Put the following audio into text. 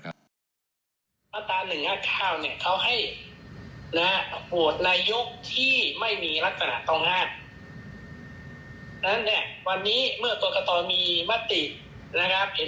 ผ่านมาตรฐานการิยธรรมฝ่าฝืนการิยธรรมอย่างร้ายแรง